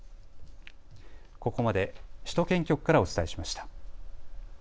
ここまで首都圏局からお伝えしました。